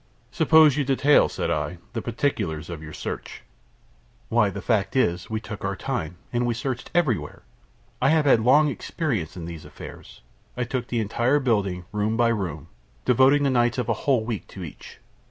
"Suppose you detail," said I, "the particulars of your search." "Why, the fact is, we took our time, and we searched everywhere. I have had long experience in these affairs. I took the entire building, room by room, devoting the nights of a whole week to each.